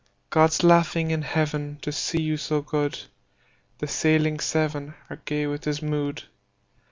God's laughing in Heaven To see you so good; The Sailing Seven Are gay with his mood.